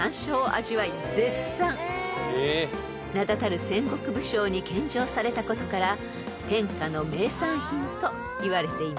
［名だたる戦国武将に献上されたことから天下の名産品といわれています］